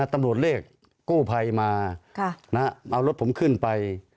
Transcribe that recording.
ตำรวจเรียกกู้ภัยมาเอารถผมขึ้นไป